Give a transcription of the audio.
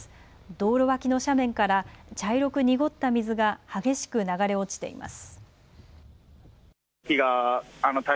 道路脇の斜面から茶色く濁った水が激しく流れ落ちています。